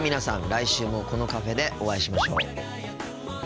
来週もこのカフェでお会いしましょう。